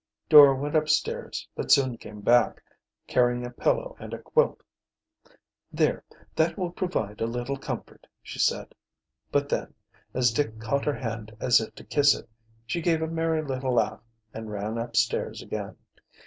Dora went upstairs, but soon came back, carrying a pillow and a quilt. "There, that will provide a little comfort," she said, but then, as Dick caught her hand as if to kiss it, she gave a merry little laugh and ran upstairs again.